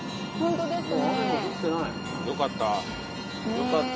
よかった。